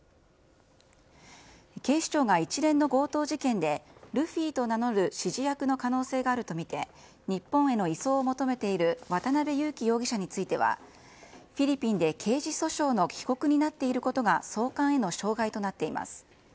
警視庁が一連の強盗事件でルフィと名乗る指示役の可能性があると見て、日本への移送を求めている渡辺優樹容疑者については、フィリピンで刑事訴訟の被告になっていることが、送還への障害となっています。